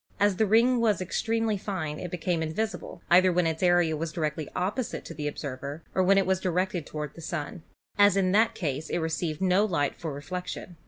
As the ring was ex tremely fine it became invisible, either when its area was directly opposite to the observer or when it was directed toward the Sun, as in that case it received no light for reflection.